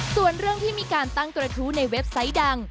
ส่วนเรื่องที่มีการตั้งกระทู้ในเว็บไซต์ดัง